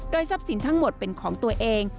ทรัพย์สินทั้งหมดเป็นของตัวเอง